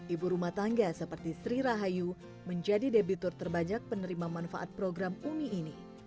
ibu rumah tangga seperti sri rahayu menjadi debitur terbajak penerima manfaat program umi ini